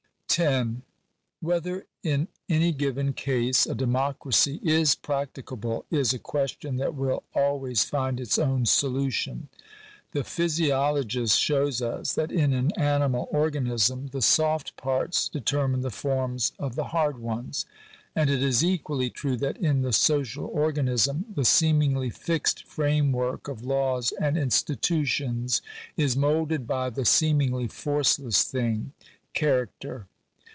§ 10. Whether in any given case a democracy is practicable, is a question that will always find its own solution. The physio logist shows us that in an animal organism, the soft parts deter mine the forms of the hard ones ; and it is equally true that in the social organism, the seemingly fixed framework of laws and institutions is moulded by "the seemingly forceless thing — cha racter.